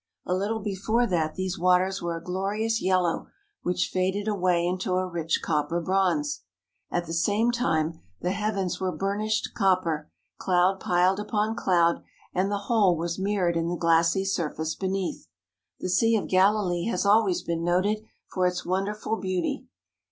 A little before that these waters were a glorious yellow which faded away into a rich copper bronze. At the same time the heavens were burnished copper, cloud piled upon cloud, and the whole was mir rored in the glassy surface beneath. The Sea of Galilee has always been noted for its wonderful beauty.